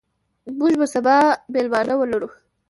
موږ به سبا میلمانه ولرو.